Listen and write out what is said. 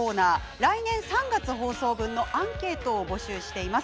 来年３月放送分のアンケートを募集しています。